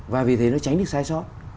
và vì thế nó tránh được sai sót